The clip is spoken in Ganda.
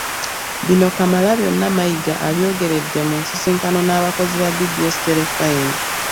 Bino Kamalabyonna Mayiga abyogeredde mu nsisinkano n'abakozi ba BBS Terefayina